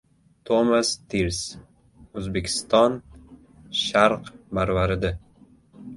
Toomas Tirs: O‘zbekiston – sharq marvaridi!